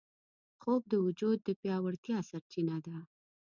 خوب د وجود د پیاوړتیا سرچینه ده